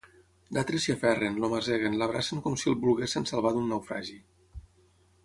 D'altres s'hi aferren, el maseguen, l'abracen com si el volguessin salvar d'un naufragi.